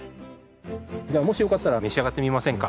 じゃあもしよかったら召し上がってみませんか？